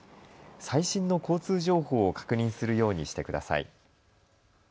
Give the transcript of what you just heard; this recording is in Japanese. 最新の交通情報を確認するようにしてください。